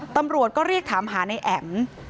ตำรวจก็เรียกถามหาในแอมค์